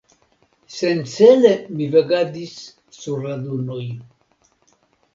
Sencele mi vagadis sur la dunoj.